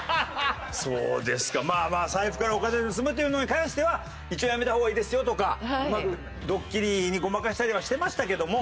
そうですかまあまあ財布からお金盗むというのに関しては一応「やめた方がいいですよ」とかうまくドッキリにごまかしたりはしてましたけども。